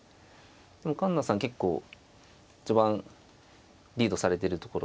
でも環那さん結構序盤リードされてるところとかも。